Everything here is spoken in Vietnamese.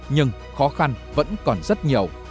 nhưng khó khăn vẫn còn rất nhiều